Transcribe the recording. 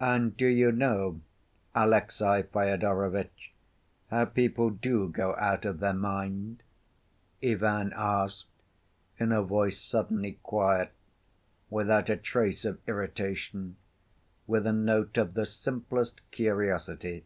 "And do you know, Alexey Fyodorovitch, how people do go out of their mind?" Ivan asked in a voice suddenly quiet, without a trace of irritation, with a note of the simplest curiosity.